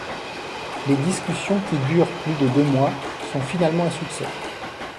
Les discussions, qui durent plus de deux mois, sont finalement un succès.